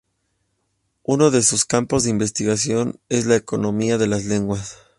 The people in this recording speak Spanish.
Uno de sus campos de investigación es la economía de las lenguas.